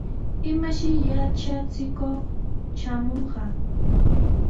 ¿Imayshi yatrachikuq traamunqa?